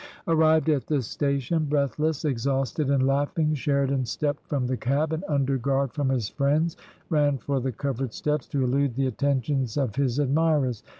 Arrived at the station, breathless, exhausted, and laughing, Sheridan stepped from the cab and, under guard from his friends, ran for the covered steps to elude the attentions of his admirers.